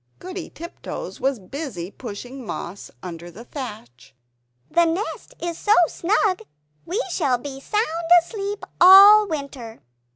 Goody Tiptoes was busy pushing moss under the thatch "The nest is so snug, we shall be sound asleep all winter."